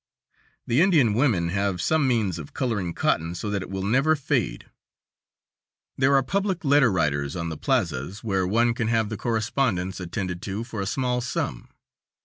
The Indian women have some means of coloring cotton so that it will never fade. There are public letter writers on the plazas, where one can have the correspondence attended to for a small sum.